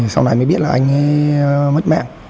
sau này mới biết là anh mất mạng